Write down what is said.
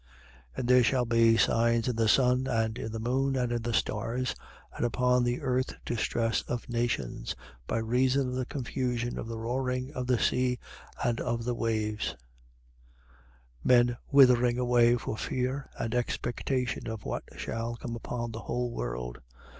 21:25. And there shall be signs in the sun and in the moon and in the stars; and upon the earth distress of nations, by reason of the confusion of the roaring of the sea, and of the waves: 21:26. Men withering away for fear and expectation of what shall come upon the whole world.